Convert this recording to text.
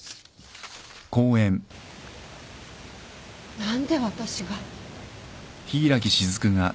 何で私が。